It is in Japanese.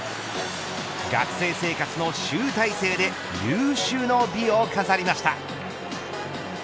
学生生活の集大成で有終の美を飾りました。